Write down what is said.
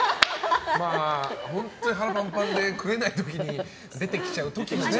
本当に腹パンパンで食えない時に出てきちゃう時もね。